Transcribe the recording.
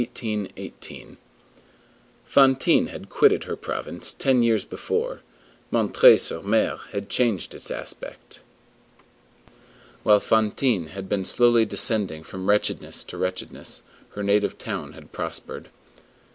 Fantine had quitted her province ten years before. M. sur M. had changed its aspect. While Fantine had been slowly descending from wretchedness to wretchedness, her native town had prospered.